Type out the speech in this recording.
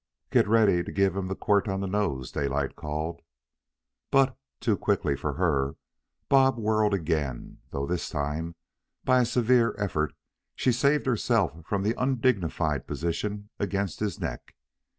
"Get ready to give him the quirt on the nose," Daylight called. But, too quickly for her, Bob whirled again, though this time, by a severe effort, she saved herself from the undignified position against his neck.